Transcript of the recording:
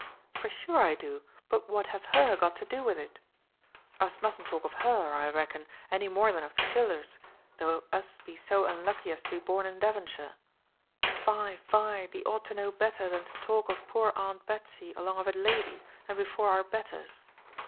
"For sure I do, but what have her got to do with it? Us mustn't talk of her, I reckon, any more than of the chillers, though us be so unlucky as to be born in Devonshire. Fie, fie, thee ought to know better than to talk of poor Aunt Betsy along of a lady, and before our betters."